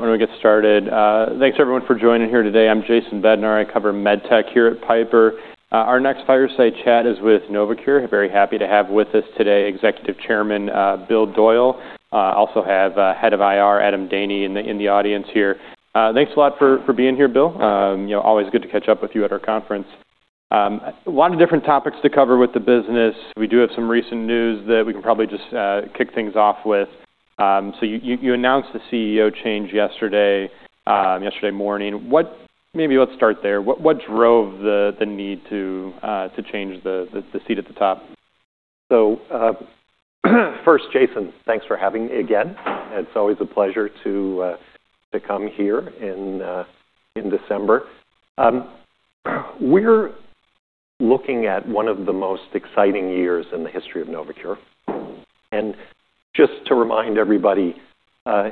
All right, when we get started, thanks everyone for joining here today. I'm Jason Bednar. I cover med tech here at Piper. Our next fireside chat is with NovoCure. Very happy to have with us today Executive Chairman, Bill Doyle. Also have, Head of IR, Adam Daney, in the audience here. Thanks a lot for being here, Bill. You know, always good to catch up with you at our conference. A lot of different topics to cover with the business. We do have some recent news that we can probably just kick things off with. You announced the CEO change yesterday, yesterday morning. What maybe let's start there. What drove the need to change the seat at the top? First, Jason, thanks for having me again. It's always a pleasure to come here in December. We're looking at one of the most exciting years in the history of NovoCure. And just to remind everybody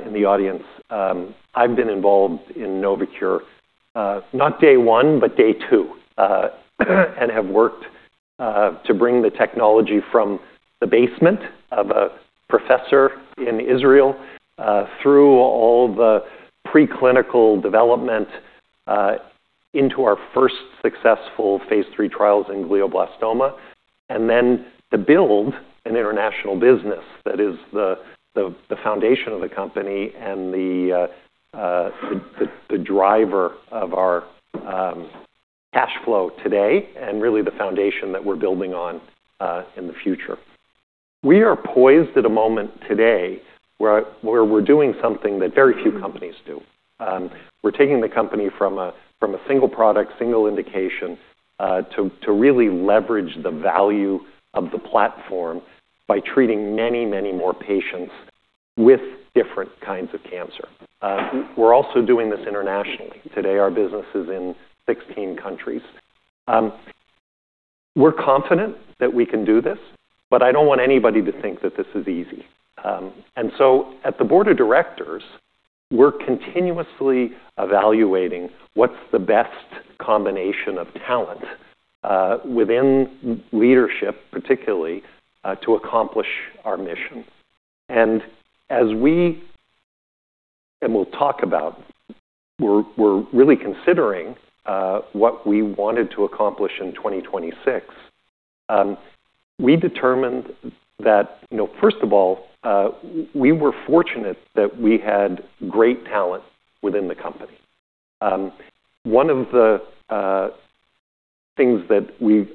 in the audience, I've been involved in NovoCure, not day one, but day two, and have worked to bring the technology from the basement of a professor in Israel, through all the preclinical development, into our first successful phase three trials in glioblastoma, and then to build an international business that is the foundation of the company and the driver of our cash flow today, and really the foundation that we're building on in the future. We are poised at a moment today where we're doing something that very few companies do. We're taking the company from a single product, single indication, to really leverage the value of the platform by treating many, many more patients with different kinds of cancer. We're also doing this internationally. Today, our business is in 16 countries. We're confident that we can do this, but I don't want anybody to think that this is easy. At the board of directors, we're continuously evaluating what's the best combination of talent within leadership, particularly, to accomplish our mission. As we will talk about, we're really considering what we wanted to accomplish in 2026. We determined that, you know, first of all, we were fortunate that we had great talent within the company. One of the things that we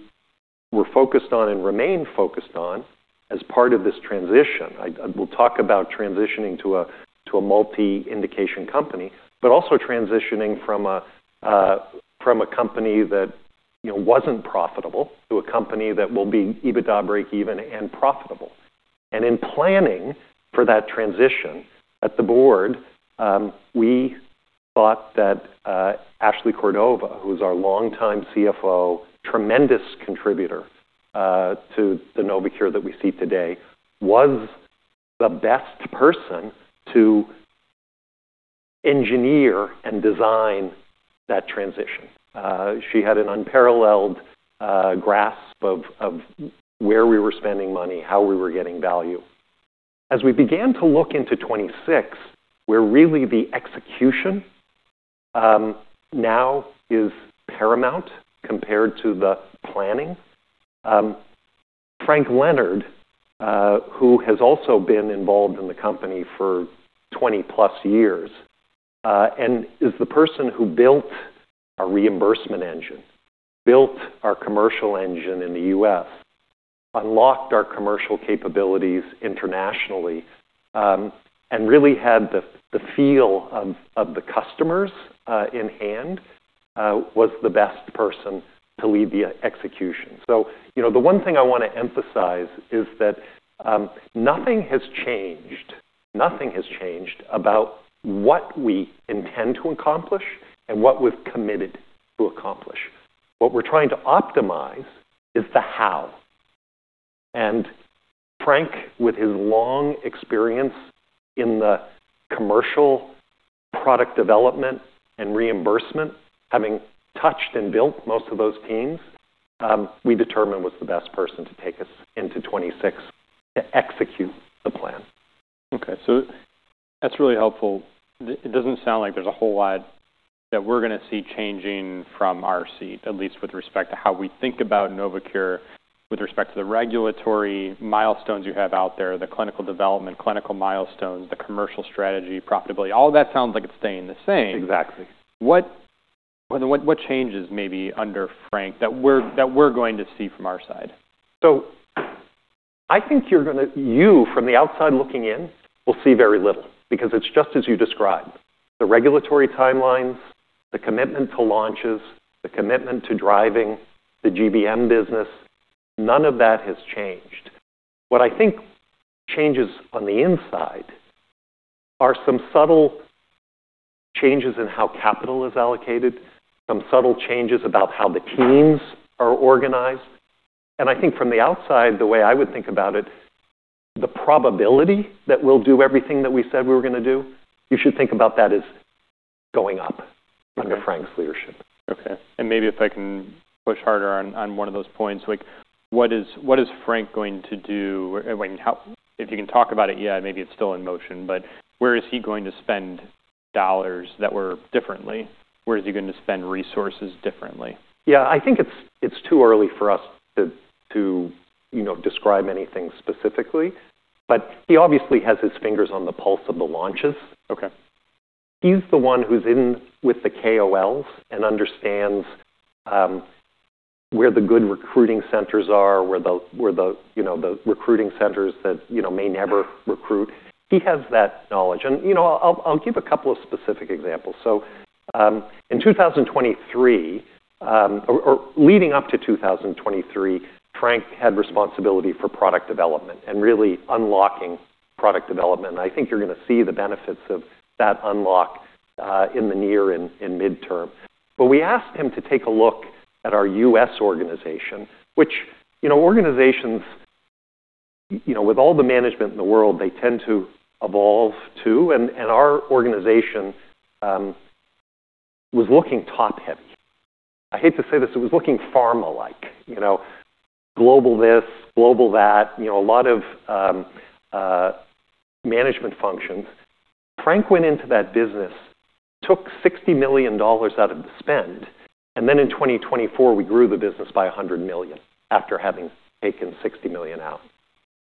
were focused on and remain focused on as part of this transition, I will talk about transitioning to a multi-indication company, but also transitioning from a company that was not profitable to a company that will be EBITDA break-even and profitable. In planning for that transition at the board, we thought that Ashley Cordova, who is our longtime CFO, tremendous contributor to the NovoCure that we see today, was the best person to engineer and design that transition. She had an unparalleled grasp of where we were spending money, how we were getting value. As we began to look into 2026, where really the execution now is paramount compared to the planning. Frank Leonard, who has also been involved in the company for 20+ years, and is the person who built our reimbursement engine, built our commercial engine in the U.S., unlocked our commercial capabilities internationally, and really had the feel of the customers in hand, was the best person to lead the execution. You know, the one thing I want to emphasize is that nothing has changed, nothing has changed about what we intend to accomplish and what we've committed to accomplish. What we're trying to optimize is the how. Frank, with his long experience in the commercial product development and reimbursement, having touched and built most of those teams, we determined was the best person to take us into 2026 to execute the plan. Okay. That is really helpful. It does not sound like there is a whole lot that we are going to see changing from our seat, at least with respect to how we think about NovoCure, with respect to the regulatory milestones you have out there, the clinical development, clinical milestones, the commercial strategy, profitability. All of that sounds like it is staying the same. Exactly. What changes maybe under Frank that we're going to see from our side? I think you from the outside looking in will see very little because it's just as you described. The regulatory timelines, the commitment to launches, the commitment to driving the GBM business, none of that has changed. What I think changes on the inside are some subtle changes in how capital is allocated, some subtle changes about how the teams are organized. I think from the outside, the way I would think about it, the probability that we'll do everything that we said we were going to do, you should think about that as going up under Frank's leadership. Okay. Maybe if I can push harder on one of those points, like, what is Frank going to do? I mean, how, if you can talk about it, yeah, maybe it's still in motion, but where is he going to spend dollars differently? Where is he going to spend resources differently? Yeah, I think it's too early for us to, you know, describe anything specifically, but he obviously has his fingers on the pulse of the launches. Okay. He's the one who's in with the KOLs and understands where the good recruiting centers are, where the, you know, the recruiting centers that, you know, may never recruit. He has that knowledge. And, you know, I'll give a couple of specific examples. In 2023, or leading up to 2023, Frank had responsibility for product development and really unlocking product development. I think you're going to see the benefits of that unlock in the near and in midterm. We asked him to take a look at our U.S. organization, which, you know, organizations, you know, with all the management in the world, they tend to evolve to. Our organization was looking top-heavy. I hate to say this. It was looking pharma-like, you know, global this, global that, you know, a lot of management functions. Frank went into that business, took $60 million out of the spend, and then in 2024, we grew the business by $100 million after having taken $60 million out.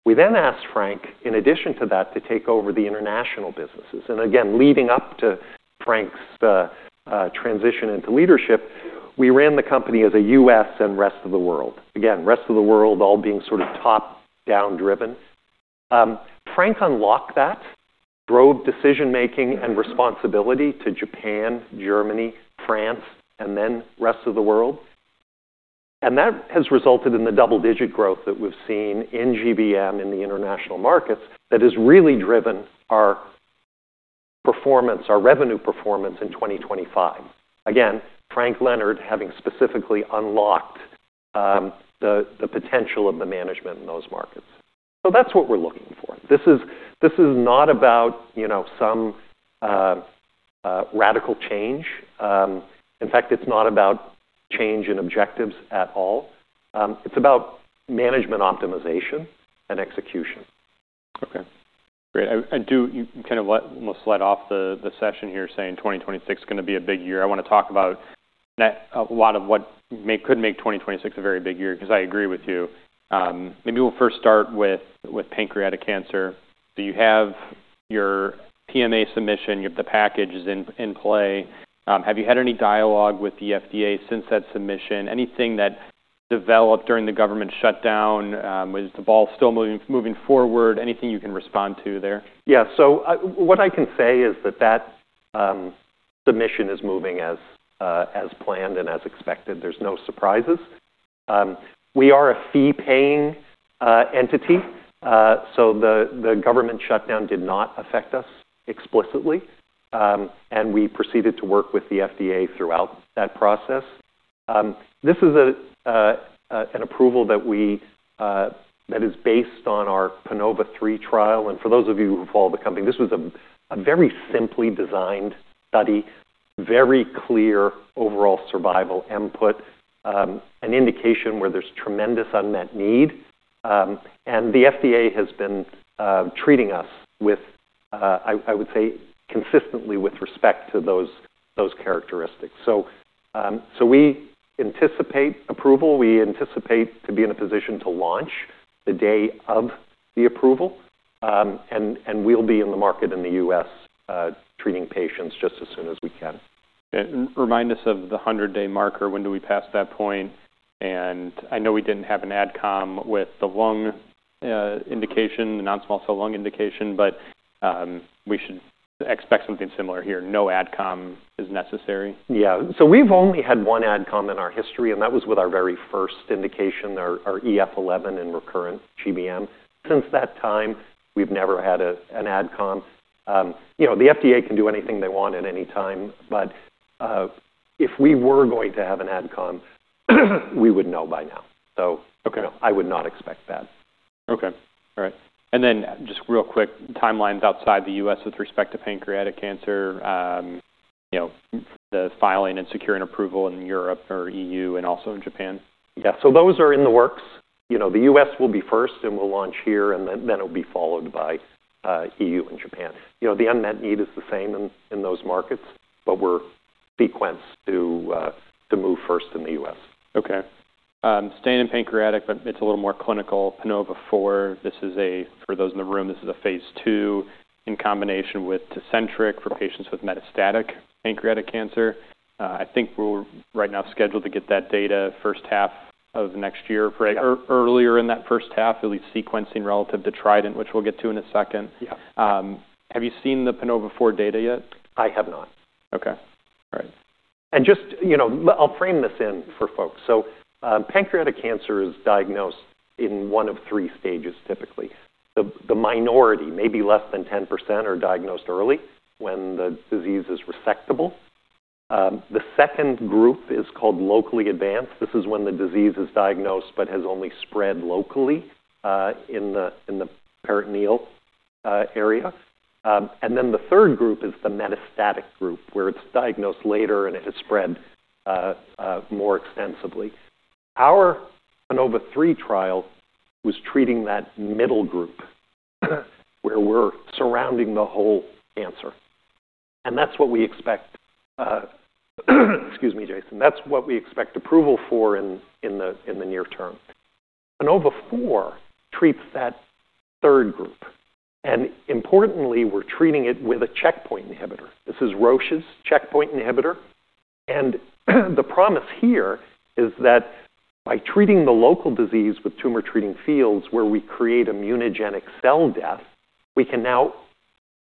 We then asked Frank, in addition to that, to take over the international businesses. Leading up to Frank's transition into leadership, we ran the company as a U.S. and rest of the world. Rest of the world, all being sort of top-down driven. Frank unlocked that, drove decision-making and responsibility to Japan, Germany, France, and then rest of the world. That has resulted in the double-digit growth that we've seen in GBM in the international markets that has really driven our performance, our revenue performance in 2025. Frank Leonard having specifically unlocked the potential of the management in those markets. That's what we're looking for. This is not about, you know, some radical change. In fact, it's not about change in objectives at all. It's about management optimization and execution. Okay. Great. I do kind of almost led off the session here saying 2026 is going to be a big year. I want to talk about a lot of what could make 2026 a very big year because I agree with you. Maybe we'll first start with pancreatic cancer. You have your PMA submission, you have the package is in play. Have you had any dialogue with the FDA since that submission? Anything that developed during the government shutdown? Is the ball still moving forward? Anything you can respond to there? Yeah. So what I can say is that that submission is moving as planned and as expected. There's no surprises. We are a fee-paying entity, so the government shutdown did not affect us explicitly. We proceeded to work with the FDA throughout that process. This is an approval that is based on our PANOVA-3 trial. And for those of you who follow the company, this was a very simply designed study, very clear overall survival input, an indication where there's tremendous unmet need. The FDA has been treating us, I would say, consistently with respect to those characteristics. We anticipate approval. We anticipate to be in a position to launch the day of the approval, and we'll be in the market in the U.S., treating patients just as soon as we can. Remind us of the 100-day marker. When do we pass that point? I know we didn't have an adcom with the lung indication, the non-small cell lung indication, but we should expect something similar here. No adcom is necessary. Yeah. So we've only had one adcom in our history, and that was with our very first indication, our EF-11 and recurrent GBM. Since that time, we've never had an adcom. You know, the FDA can do anything they want at any time, but if we were going to have an adcom, we would know by now. So, you know, I would not expect that. Okay. All right. Just real quick, timelines outside the U.S. with respect to pancreatic cancer, you know, the filing and securing approval in Europe or EU and also in Japan. Yeah. Those are in the works. You know, the U.S. will be first and will launch here, and then it'll be followed by the European Union and Japan. You know, the unmet need is the same in those markets, but we're sequenced to move first in the U.S. Okay. Staying in pancreatic, but it's a little more clinical. PANOVA-4, this is a, for those in the room, this is a phase II in combination with Tecentriq for patients with metastatic pancreatic cancer. I think we're right now scheduled to get that data first half of next year, or earlier in that first half, at least sequencing relative to TRIDENT, which we'll get to in a second. Yeah. Have you seen the PANOVA-4 data yet? I have not. Okay. All right. Just, you know, I'll frame this in for folks. Pancreatic cancer is diagnosed in one of three stages typically. The minority, maybe less than 10%, are diagnosed early when the disease is resectable. The second group is called locally advanced. This is when the disease is diagnosed but has only spread locally, in the peritoneal area. Then the third group is the metastatic group where it's diagnosed later and it has spread more extensively. Our PANOVA-3 trial was treating that middle group where we're surrounding the whole cancer. That's what we expect—excuse me, Jason—that's what we expect approval for in the near term. PANOVA-4 treats that third group. Importantly, we're treating it with a checkpoint inhibitor. This is Roche's checkpoint inhibitor. The promise here is that by treating the local disease with Tumor Treating Fields where we create immunogenic cell death, we can now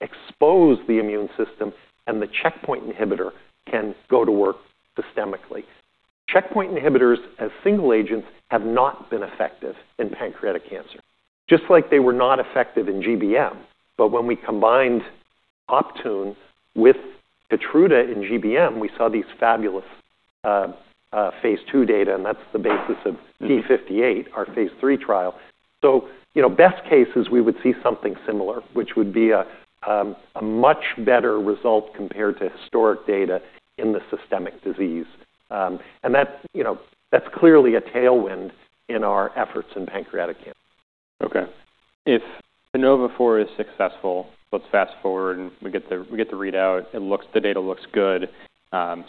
expose the immune system and the checkpoint inhibitor can go to work systemically. Checkpoint inhibitors as single agents have not been effective in pancreatic cancer, just like they were not effective in GBM. When we combined Optune with Keytruda in GBM, we saw these fabulous, phase II data, and that's the basis of P58, our phase III trial. You know, best cases, we would see something similar, which would be a much better result compared to historic data in the systemic disease. That, you know, is clearly a tailwind in our efforts in pancreatic cancer. Okay. If PANOVA-4 is successful, let's fast forward and we get the readout. The data looks good.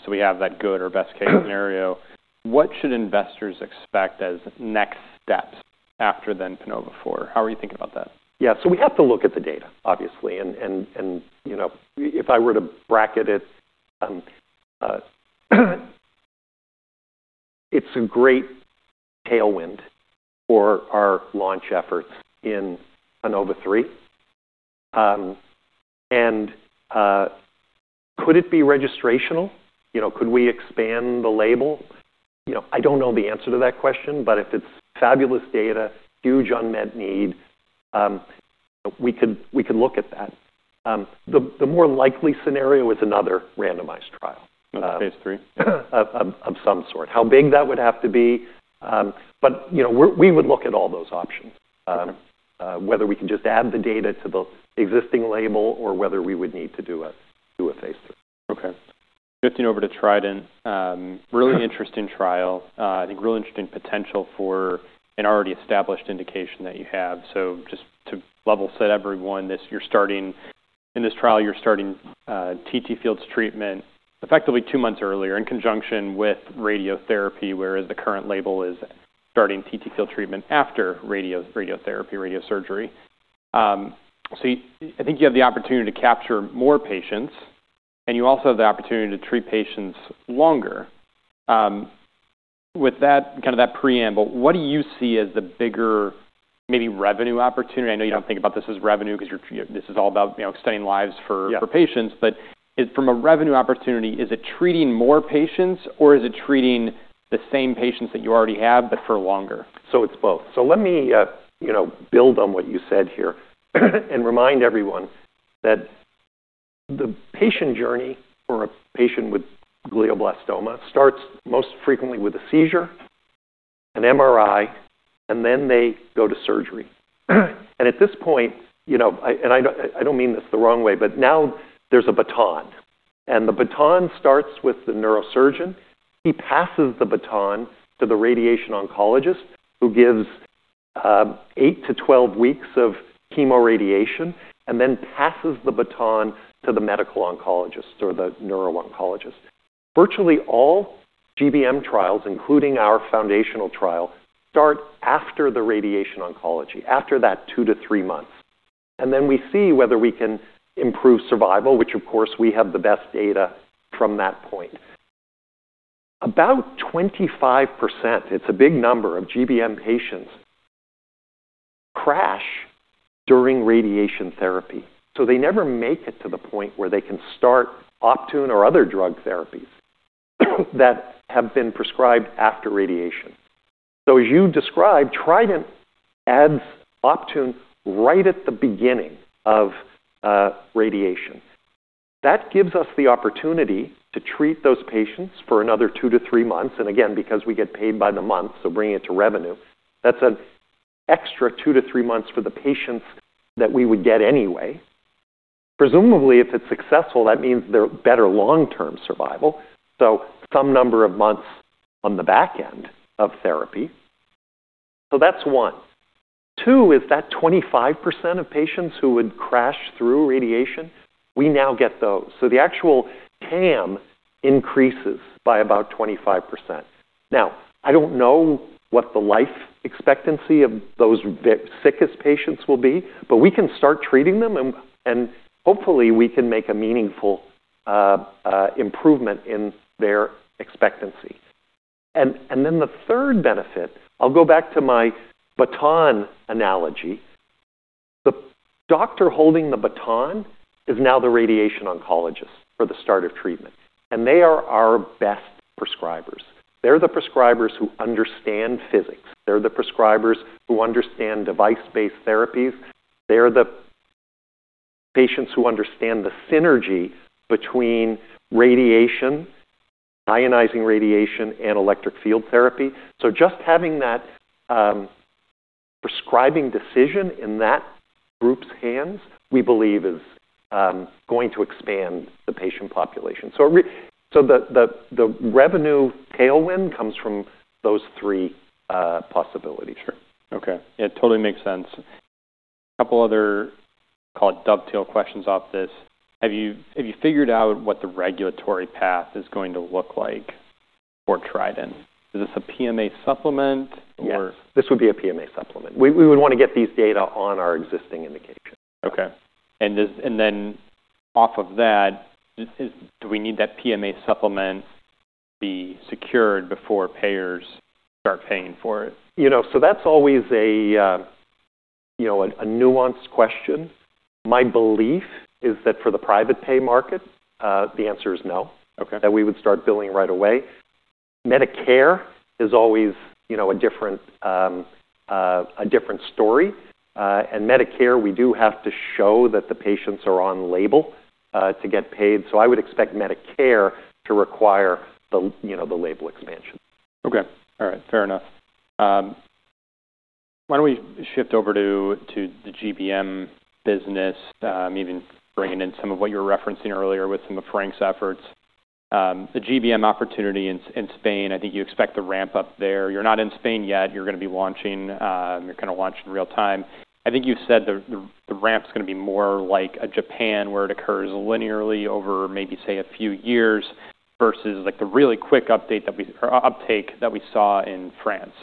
We have that good or best case scenario. What should investors expect as next steps after PANOVA-4? How are you thinking about that? Yeah. We have to look at the data, obviously. And, you know, if I were to bracket it, it's a great tailwind for our launch efforts in PANOVA-3. And, could it be registrational? You know, could we expand the label? You know, I don't know the answer to that question, but if it's fabulous data, huge unmet need, we could look at that. The more likely scenario is another randomized trial. Okay. Phase III. Of some sort. How big that would have to be, you know, we would look at all those options, whether we can just add the data to the existing label or whether we would need to do a phase three. Okay. Shifting over to TRIDENT. Really interesting trial. I think real interesting potential for an already established indication that you have. Just to level set everyone, in this trial, you're starting TTFields treatment effectively two months earlier in conjunction with radiotherapy, whereas the current label is starting TTFields treatment after radiotherapy, radiosurgery. I think you have the opportunity to capture more patients, and you also have the opportunity to treat patients longer. With that preamble, what do you see as the bigger maybe revenue opportunity? I know you do not think about this as revenue because this is all about, you know, extending lives for patients, but from a revenue opportunity, is it treating more patients or is it treating the same patients that you already have but for longer? It is both. Let me, you know, build on what you said here and remind everyone that the patient journey for a patient with glioblastoma starts most frequently with a seizure, an MRI, and then they go to surgery. At this point, you know, and I don't mean this the wrong way, but now there's a baton. The baton starts with the neurosurgeon. He passes the baton to the radiation oncologist who gives 8-12 weeks of chemoradiation and then passes the baton to the medical oncologist or the neurooncologist. Virtually all GBM trials, including our foundational trial, start after the radiation oncology, after that two to three months. We see whether we can improve survival, which of course we have the best data from that point. About 25%, it's a big number of GBM patients, crash during radiation therapy. They never make it to the point where they can start Optune or other drug therapies that have been prescribed after radiation. As you described, TRIDENT adds Optune right at the beginning of radiation. That gives us the opportunity to treat those patients for another two to three months. Again, because we get paid by the month, bringing it to revenue, that's an extra two to three months for the patients that we would get anyway. Presumably, if it's successful, that means they're better long-term survival, so some number of months on the back end of therapy. That's one. Two is that 25% of patients who would crash through radiation, we now get those. The actual TAM increases by about 25%. Now, I don't know what the life expectancy of those sickest patients will be, but we can start treating them and hopefully we can make a meaningful improvement in their expectancy. Then the third benefit, I'll go back to my baton analogy. The doctor holding the baton is now the radiation oncologist for the start of treatment. They are our best prescribers. They're the prescribers who understand physics. They're the prescribers who understand device-based therapies. They're the prescribers who understand the synergy between radiation, ionizing radiation, and electric field therapy. Just having that prescribing decision in that group's hands, we believe, is going to expand the patient population. The revenue tailwind comes from those three possibilities. Sure. Okay. It totally makes sense. A couple other, call it, dovetail questions off this. Have you figured out what the regulatory path is going to look like for TRIDENT? Is this a PMA supplement or? Yes. This would be a PMA supplement. We would want to get these data on our existing indication. Okay. And then off of that, do we need that PMA supplement to be secured before payers start paying for it? You know, so that's always a, you know, a nuanced question. My belief is that for the private pay market, the answer is no. Okay. That we would start billing right away. Medicare is always, you know, a different, a different story. Medicare, we do have to show that the patients are on label, to get paid. I would expect Medicare to require the, you know, the label expansion. Okay. All right. Fair enough. Why don't we shift over to the GBM business, even bringing in some of what you were referencing earlier with some of Frank's efforts. The GBM opportunity in Spain, I think you expect the ramp up there. You're not in Spain yet. You're going to be launching, you're kind of launching real time. I think you said the ramp is going to be more like a Japan where it occurs linearly over maybe, say, a few years versus like the really quick uptake that we saw in France.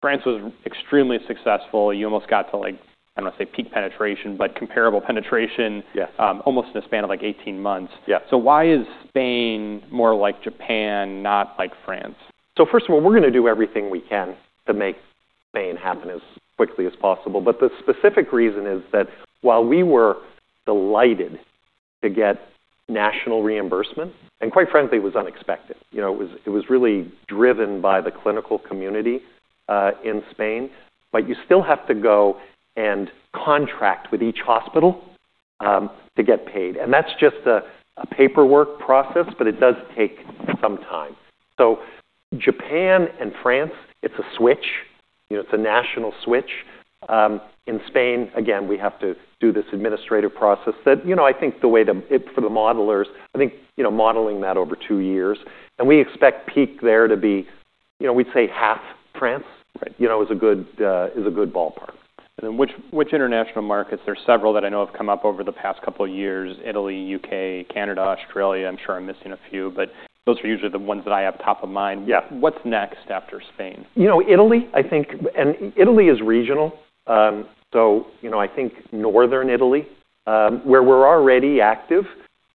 France was extremely successful. You almost got to like, I don't want to say peak penetration, but comparable penetration. Yes. almost in a span of like 18 months. Yeah. Why is Spain more like Japan, not like France? First of all, we're going to do everything we can to make Spain happen as quickly as possible. The specific reason is that while we were delighted to get national reimbursement, and quite frankly, it was unexpected. You know, it was really driven by the clinical community in Spain. You still have to go and contract with each hospital to get paid. That's just a paperwork process, but it does take some time. Japan and France, it's a switch. You know, it's a national switch. In Spain, again, we have to do this administrative process that, you know, I think the way to for the modelers, I think, you know, modeling that over two years. We expect peak there to be, you know, we'd say half France is a good ballpark. Which international markets? There are several that I know have come up over the past couple of years: Italy, U.K., Canada, Australia. I'm sure I'm missing a few, but those are usually the ones that I have top of mind. Yeah. What's next after Spain? You know, Italy, I think, and Italy is regional. You know, I think northern Italy, where we're already active.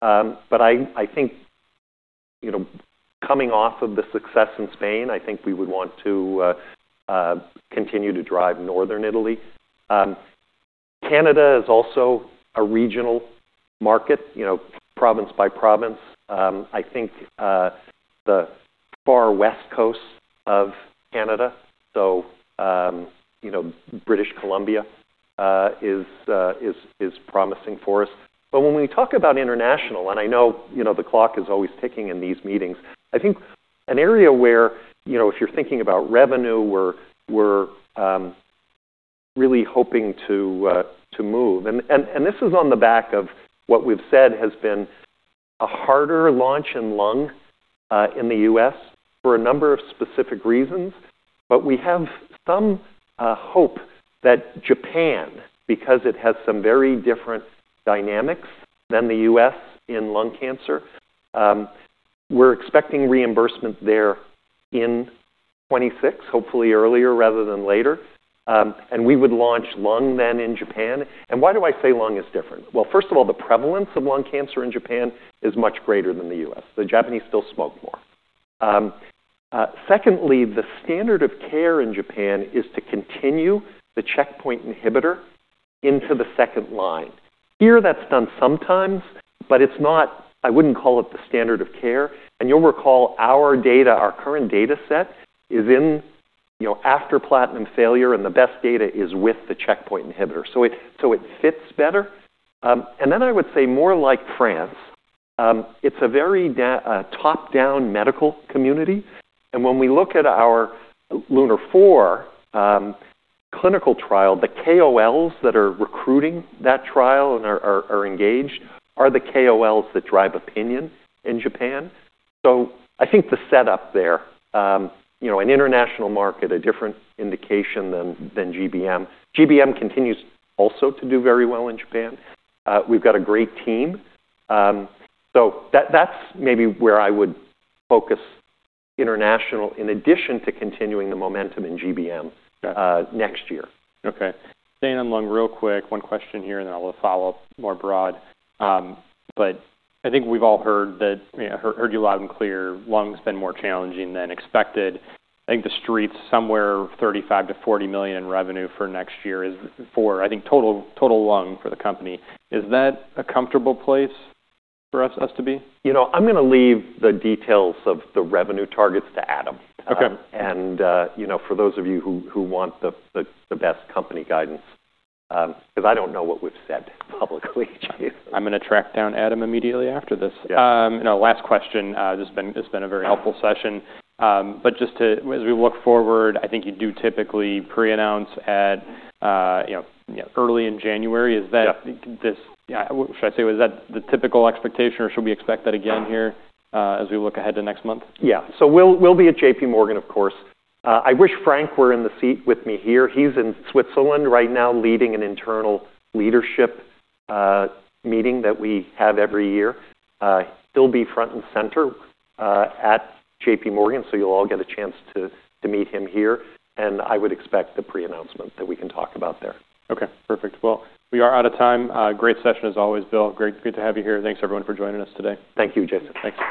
I think, you know, coming off of the success in Spain, I think we would want to continue to drive northern Italy. Canada is also a regional market, you know, province by province. I think the far west coast of Canada, so, you know, British Columbia, is promising for us. When we talk about international, and I know, you know, the clock is always ticking in these meetings, I think an area where, you know, if you're thinking about revenue, we're really hoping to move. This is on the back of what we've said has been a harder launch in lung, in the U.S. for a number of specific reasons. We have some hope that Japan, because it has some very different dynamics than the U.S. in lung cancer, we're expecting reimbursement there in 2026, hopefully earlier rather than later. We would launch lung then in Japan. Why do I say lung is different? First of all, the prevalence of lung cancer in Japan is much greater than the U.S. The Japanese still smoke more. Secondly, the standard of care in Japan is to continue the checkpoint inhibitor into the second line. Here, that's done sometimes, but it's not, I wouldn't call it the standard of care. You'll recall our data, our current data set is in, you know, after platinum failure, and the best data is with the checkpoint inhibitor. It fits better. I would say more like France. It's a very top-down medical community. When we look at our LUNAR-4 clinical trial, the KOLs that are recruiting that trial and are engaged are the KOLs that drive opinion in Japan. I think the setup there, you know, an international market, a different indication than GBM. GBM continues also to do very well in Japan. We've got a great team, so that's maybe where I would focus international in addition to continuing the momentum in GBM next year. Okay. Staying on lung real quick, one question here and then I'll follow up more broad. I think we've all heard that, you know, heard you loud and clear, lung's been more challenging than expected. I think the street's somewhere $35 million-$40 million in revenue for next year is for, I think, total total lung for the company. Is that a comfortable place for us to be? You know, I'm going to leave the details of the revenue targets to Adam. Okay. You know, for those of you who want the best company guidance, because I don't know what we've said publicly. I'm going to track down Adam immediately after this. You know, last question. This has been a very helpful session. Just to, as we look forward, I think you do typically pre-announce at, you know, early in January. Is that, should I say, is that the typical expectation or should we expect that again here, as we look ahead to next month? Yeah. We'll be at JPMorgan, of course. I wish Frank were in the seat with me here. He's in Switzerland right now leading an internal leadership meeting that we have every year. He'll be front and center at JPMorgan. You'll all get a chance to meet him here. I would expect the pre-announcement that we can talk about there. Okay. Perfect. We are out of time. Great session as always, Bill. Great to have you here. Thanks everyone for joining us today. Thank you, Jason. Thanks.